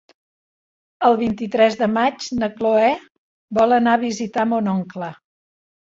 El vint-i-tres de maig na Cloè vol anar a visitar mon oncle.